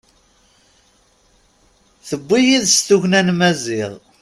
Tewwi yid-s tugna n Maziɣ.